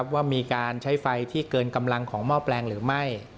ว่ามีการใช้ไฟที่เกินกำลังของหม้อแปลงหรือไม่